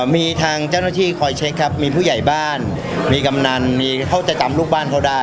มีทางเจ้าหน้าที่คอยเช็คครับมีผู้ใหญ่บ้านมีกำนันมีเขาจะจำลูกบ้านเขาได้